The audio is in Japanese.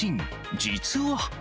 実は。